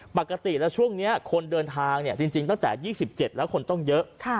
ปกติแล้วช่วงนี้คนเดินทางจริงตั้งแต่๒๗แล้วคนต้องเยอะ